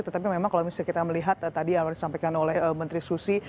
tetapi memang kalau misalnya kita melihat tadi yang disampaikan oleh menteri susi